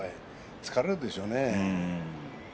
疲れるでしょうね。